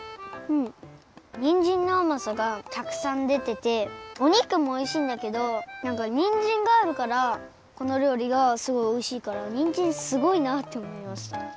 にんじんのあまさがたくさんでてておにくもおいしいんだけどなんかにんじんがあるからこのりょうりがすごいおいしいからにんじんすごいなっておもいました。